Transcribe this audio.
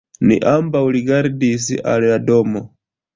Ni ambaŭ rigardis al la domo.